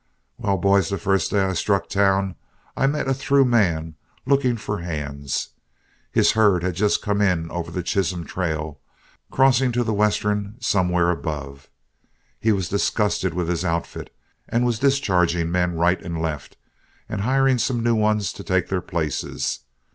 "Well, boys, the first day I struck town I met a through man looking for hands. His herd had just come in over the Chisholm Trail, crossing to the western somewhere above. He was disgusted with his outfit, and was discharging men right and left and hiring new ones to take their places.